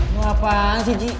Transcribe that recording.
lo apaan sih ji